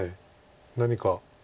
何か。